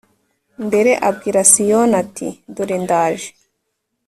mbere abwira Siyoni ati dore ndaje